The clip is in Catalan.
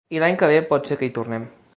I l’any que ve pot ser que hi tornem.